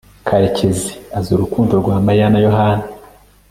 karekezi azi urukundo rwa mariya na yohana